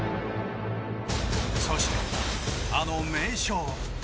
そしてあの名勝負。